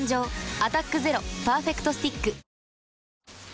「アタックＺＥＲＯパーフェクトスティック」